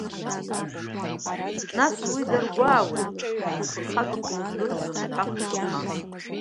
Нас уи даргәаауеит, дахьуԥырхагахо уздырӡом, иҳәахт Ҭорҟан.